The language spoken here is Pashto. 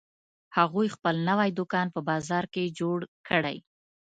هغوی خپل نوی دوکان په بازار کې جوړ کړی